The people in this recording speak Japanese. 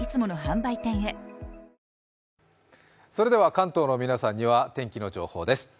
関東の皆さんには天気の情報です。